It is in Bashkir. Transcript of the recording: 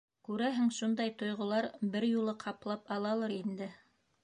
— Күрәһең, шундай тойғолар бер юлы ҡаплап алалыр инде.